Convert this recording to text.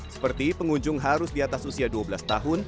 seperti pengunjung harus di atas usia dua belas tahun